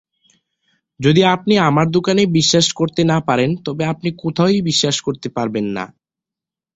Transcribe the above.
যদি আপনি আমার দোকানে বিশ্বাস করতে না পারেন তবে আপনি কোথাও ই বিশ্বাস করতে পারবেন না।!""